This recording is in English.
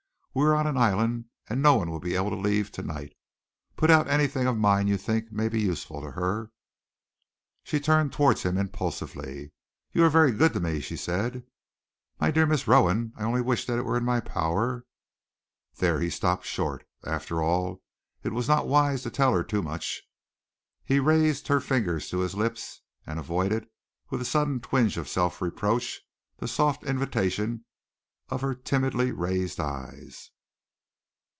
We are on an island, and no one will be able to leave to night. Put out anything of mine you think may be useful to her." She turned towards him impulsively. "You are very good to me," she said. "My dear Miss Rowan, I only wish that it were in my power " Then he stopped short. After all, it was not wise to tell her too much. He raised her fingers to his lips, and avoided, with a sudden twinge of self reproach, the soft invitation of her timidly raised eyes.